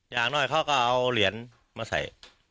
อย่างน้อยเขาก็เอาเหรียญมาใส่